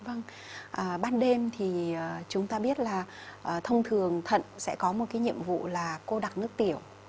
vâng ban đêm thì chúng ta biết là thông thường thận sẽ có một cái nhiệm vụ là cô đặc nước tiểu